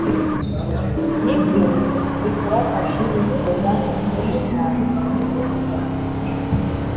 ni byo bikurakaje ndoba witanze,